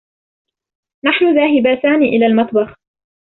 نحن ذاهبتان إلى المطبخ.